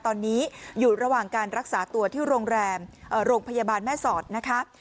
ตอนนี้อยู่ระหว่างการรักษาตัวที่โรงพยาบาลแม่สอดนะคะ